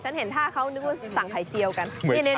เห็นท่าเขานึกว่าสั่งไข่เจียวกัน